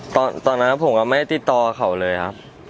ตอนนั้นผมก็ไม่ติดต่อเขาเลยครับ